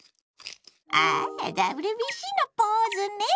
ああＷＢＣのポーズね！